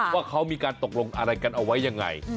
ว่าเขามีการตกลงอะไรกันเอาไว้ยังไง